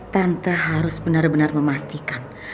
tanpa harus benar benar memastikan